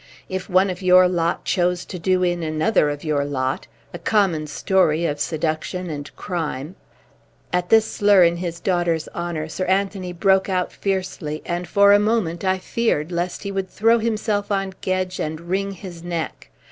If one of your lot chose to do in another of your lot a common story of seduction and crime " At this slur in his daughter's honour Sir Anthony broke out fiercely, and, for a moment, I feared lest he would throw himself on Gedge and wring his neck.